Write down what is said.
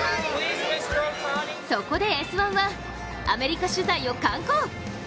そこで「Ｓ☆１」はアメリカ取材を敢行！